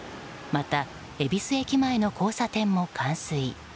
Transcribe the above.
また、恵比寿駅前の交差点も冠水。